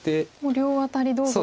両アタリどうぞと。